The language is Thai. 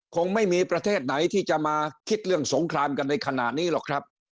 คงไม่มีประเทศไหนที่จะมาคิดเรื่องสงครามกันในขณะนี้หรอกครับ